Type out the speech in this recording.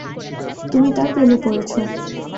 তুমি তার প্রেমে পড়েছ।